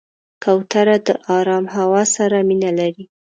کوتره د آرام هوا سره مینه لري.